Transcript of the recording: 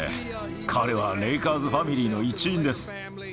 彼はレイカーズファミリーの一員です。